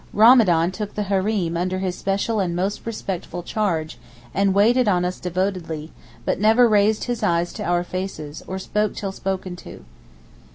Ramadan took the hareem under his special and most respectful charge, and waited on us devotedly, but never raised his eyes to our faces, or spoke till spoken to.